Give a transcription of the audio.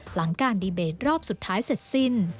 หลังการดีเบตรอบสุดท้ายเสร็จสิ้น